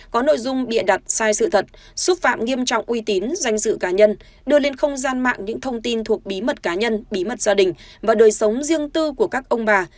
có nội dung bịa đặt sai sự thật xúc phạm nghiêm trọng uy tín danh dự cá nhân đưa lên không gian mạng những thông tin thuộc bí mật cá nhân bí mật gia đình và đời sống riêng tư của các ông bà